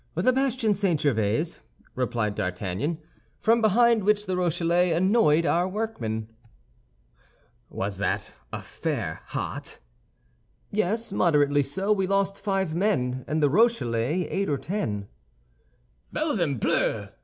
"The bastion St. Gervais," replied D'Artagnan, "from behind which the Rochellais annoyed our workmen." "Was that affair hot?" "Yes, moderately so. We lost five men, and the Rochellais eight or ten." "_Balzempleu!